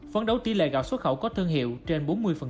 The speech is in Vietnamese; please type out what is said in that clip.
phấn đấu tỷ lệ gạo xuất khẩu có thương hiệu trên bốn mươi